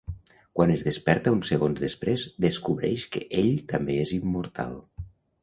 Quan es desperta uns segons després, descobreix que ell també és immortal.